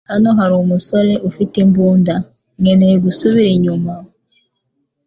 Hano hari umusore ufite imbunda. Nkeneye gusubira inyuma.